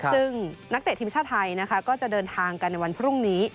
ซึ่งนักเตะทีมชาติไทยนะคะก็จะเดินทางกันในวันพรุ่งนี้